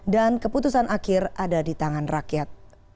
dan keputusan akhir ada di tangan rakyat